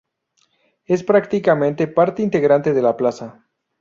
Es prácticamente parte integrante de la plaza.